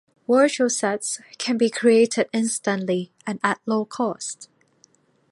Virtual sets can be created instantly and at low cost.